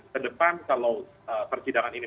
ke depan kalau percidangan ini